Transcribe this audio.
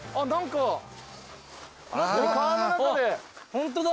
ホントだ。